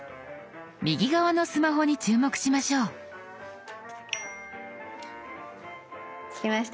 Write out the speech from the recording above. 右側のスマホに注目しましょう。来ました。